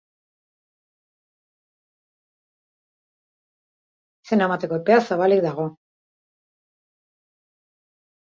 Izena emateko epea zabalik dago.